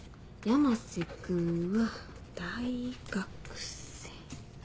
山瀬君は大学生。